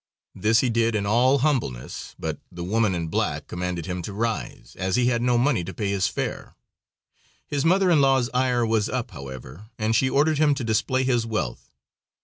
This he did in all humbleness, but the woman in black commanded him to rise, as he had no money to pay his fare. His mother in law's ire was up, however, and she ordered him to display his wealth.